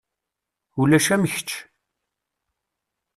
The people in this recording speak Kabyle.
Ulac am kečč.